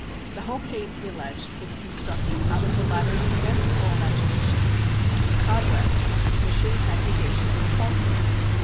The whole case, he alleged, was constructed out of the latter's fanciful imagination, a cobweb of suspicion, accusation and falsehood.